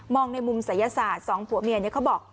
ในมุมศัยศาสตร์สองผัวเมียเนี่ยเขาบอก